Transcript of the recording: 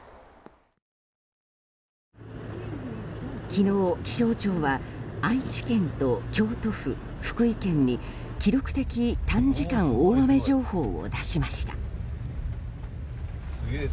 昨日、気象庁は愛知県と京都府、福井県に記録的短時間大雨情報を出しました。